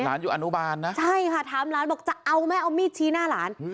หลานอยู่อนุบาลนะใช่ค่ะถามหลานบอกจะเอาไหมเอามีดชี้หน้าหลาน